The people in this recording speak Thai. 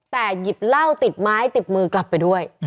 แต่หยิบเหล้าติดไม้ติดมือกลับไปด้วย